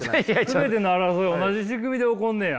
全ての争いは同じ仕組みで起こんねや。